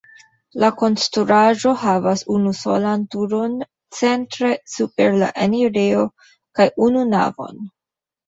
La konstruaĵo havas unusolan turon centre super la enirejo kaj unu navon.